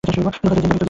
দুঃখিত, জেন।